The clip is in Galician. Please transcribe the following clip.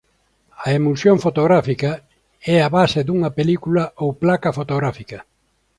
A emulsión fotográfica é a base dunha película ou placa fotográfica.